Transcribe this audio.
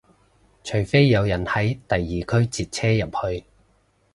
除非有人喺第二區截車入去